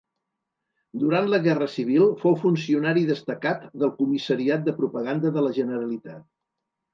Durant la Guerra Civil fou funcionari destacat del Comissariat de Propaganda de la Generalitat.